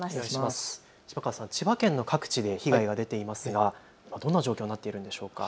島川さん、千葉県の各地で被害が出ていますがどんな状況になっているんでしょうか。